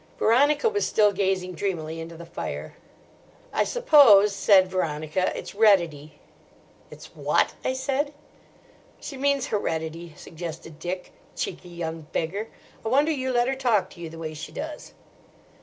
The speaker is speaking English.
Veronica was still gazing dreamily into the fire. "I suppose," said Veronica, "it's reditty." "It's what?" I said. "She means heredity," suggested Dick—"cheeky young beggar! I wonder you let her talk to you the way she does."